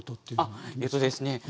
あっえっとですね